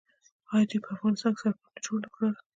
آیا دوی په افغانستان کې سړکونه جوړ نه کړل؟